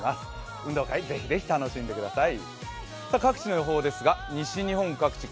運動会ぜひぜひ楽しんでください。